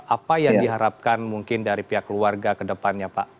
apa yang diharapkan mungkin dari pihak keluarga ke depannya pak